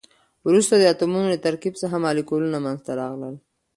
وروسته د اتمونو له ترکیب څخه مالیکولونه منځ ته راغلل.